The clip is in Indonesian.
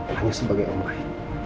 oh hanya sebagai umpah